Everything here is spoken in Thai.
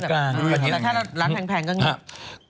แล้วถ้าร้านแพงก็งี้